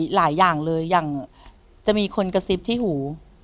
หลายอย่างเลยอย่างจะมีคนกระซิบที่หู